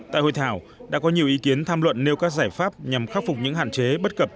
tại hội thảo đã có nhiều ý kiến tham luận nêu các giải pháp nhằm khắc phục những hạn chế bất cập